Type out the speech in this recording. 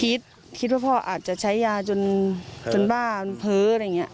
คิดว่าพ่ออาจจะใช้ยาจนบ้าโผล่